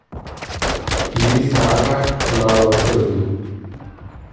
Hiri Zaharrak lau auzo ditu.